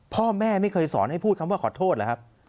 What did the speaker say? พ่อแม่ไม่เคยสอนให้พูดคำว่าขอโทษเหรอครับ